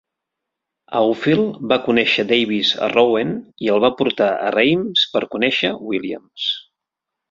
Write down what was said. Aufield va conèixer Davis a Rouen i el va portar a Rheims per conèixer Williams.